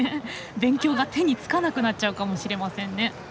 勉強が手につかなくなっちゃうかもしれませんね。